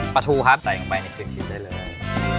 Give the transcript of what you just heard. ปะทูครับใส่ลงไปในครีมชิ้นได้เลย